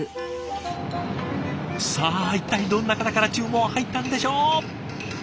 さあ一体どんな方から注文入ったんでしょう？